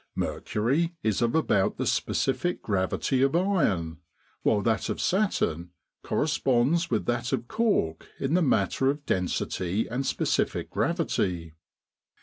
Mercury is of about the specific gravity of iron, while that of Saturn corresponds with that of cork in the matter of density and specific gravity.